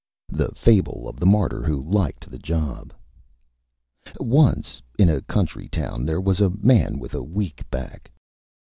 _ THE FABLE OF THE MARTYR WHO LIKED THE JOB Once in a Country Town there was a Man with a Weak Back.